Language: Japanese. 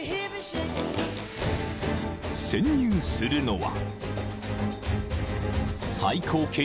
［潜入するのは］